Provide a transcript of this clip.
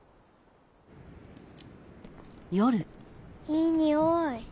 いいにおい。